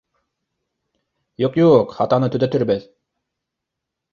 Юҡ, юҡ, хатаны төҙәтербеҙ